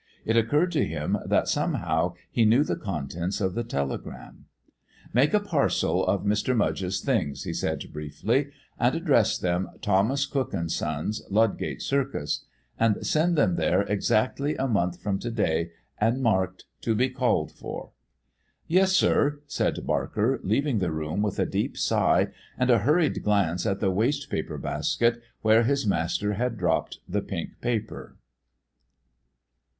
It occurred to him that somehow he knew the contents of the telegram. "Make a parcel of Mr. Mudge's things," he said briefly, "and address them Thomas Cook & Sons, Ludgate Circus. And send them there exactly a month from to day and marked 'To be called for.'" "Yes, sir," said Barker, leaving the room with a deep sigh and a hurried glance at the waste paper basket where his master had dropped the pink paper.